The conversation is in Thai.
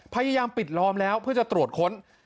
พยายามปิดล้อมแล้วเพื่อจะตรวจค้น